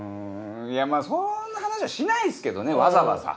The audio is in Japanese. いやまぁそんな話はしないっすけどねわざわざ。